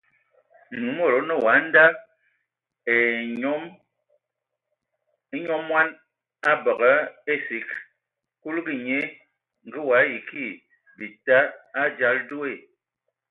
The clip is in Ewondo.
Nwumub o nə wa a nda : e nyɔ mɔn a bəgə asig! Kuligi nye ngə o ayi kig bita a dzal do.